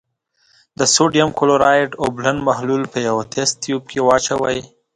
د سوډیم کلورایډ اوبلن محلول په یوه تست تیوب کې واچوئ.